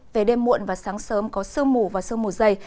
về đêm muộn và sáng sớm có sương mù và sương mù dày